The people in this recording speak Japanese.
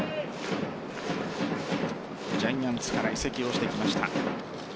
ジャイアンツから移籍をしてきました。